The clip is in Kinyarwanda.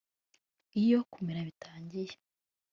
iyo kumera bitangiye